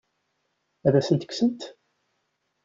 Ad asent-ten-kksent?